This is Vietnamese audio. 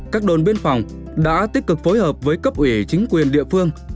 các đồn biên phòng đã tích cực phối hợp với cấp ủy chính quyền địa phương